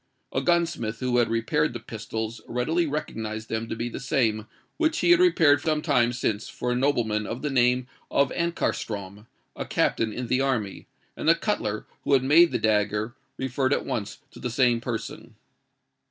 A gunsmith who had repaired the pistols readily recognised them to be the same which he had repaired some time since for a nobleman of the name of Ankarstrom, a captain in the army; and the cutler who had made the dagger, referred at once to the same person.